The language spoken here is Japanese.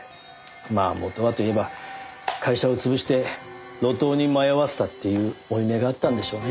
まあ元はといえば会社を潰して路頭に迷わせたっていう負い目があったんでしょうね。